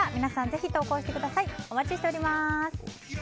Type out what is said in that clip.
ぜひ投稿してください。